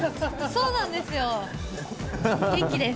そうなんですよ。